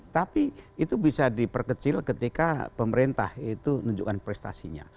tapi itu bisa diperkecil ketika pemerintah itu nunjukkan prestasinya